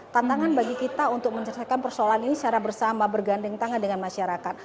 tantangan bagi kita untuk menyelesaikan persoalan ini secara bersama bergandeng tangan dengan masyarakat